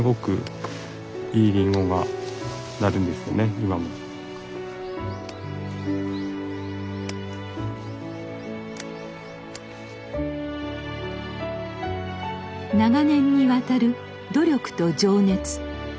祖父の長年にわたる努力と情熱。